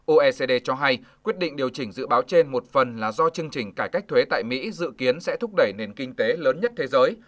oecd cho hay quyết định điều chỉnh dự báo trên một phần là do chương trình cải cách thuế tại mỹ dự kiến sẽ thúc đẩy nền kinh tế lớn nhất thế giới